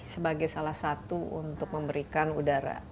sebagai salah satu untuk memberikan udara